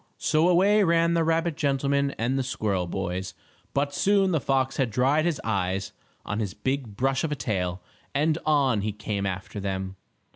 So away ran the rabbit gentleman and the squirrel boys, but soon the fox had dried his eyes on his big brush of a tail, and on he came after them.